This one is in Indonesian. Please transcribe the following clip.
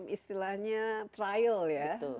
istilahnya trial ya